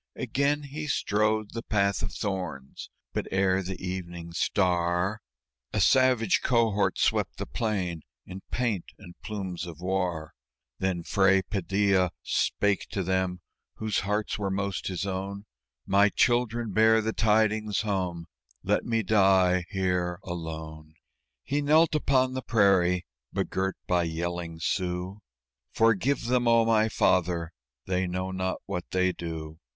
Again he strode the path of thorns; but ere the evening star A savage cohort swept the plain in paint and plumes of war. Then Fray Padilla spake to them whose hearts were most his own: "My children, bear the tidings home let me die here alone." He knelt upon the prairie, begirt by yelling Sioux. "Forgive them, oh, my Father! they know not what they do!"